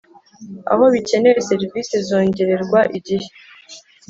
aho bikenewe serivisi zongererwa igihe